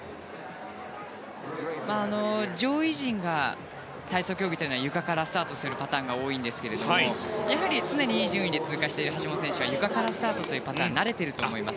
上位陣が体操競技ってゆかからスタートするパターンが多いんですけどもやはり、常にいい順位で通過している橋本選手はゆかからのスタートに慣れていると思います。